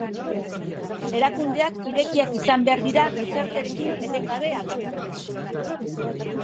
Erakundeak irekiak izan behar dira gizartearekin etengabe aldatzeko.